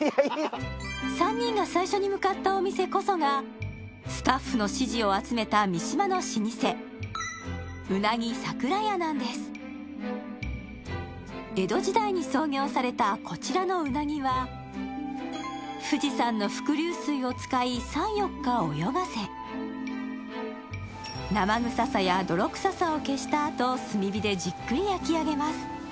３人が最初に向かったお店こそがスタッフの支持を集めた三島の老舗うなぎ桜家なんです江戸時代に創業されたこちらのうなぎは富士山の伏流水を使い３４日泳がせ生臭さや泥臭さを消したあと炭火でじっくり焼き上げます